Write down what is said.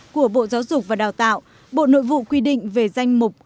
của bộ giáo dục và đào tạo bộ nội vụ quy định về danh mục